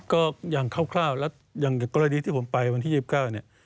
ก็อย่างคร่าวแล้วอย่างกรณีที่ผมไปวันที่๒๙เนี่ย